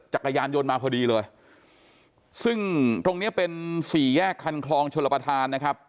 จักรยานยนต์มาพอดีเลยซึ่งตรงเนี้ยเป็นสี่แยกคันคลองชลประธานนะครับ